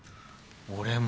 俺も。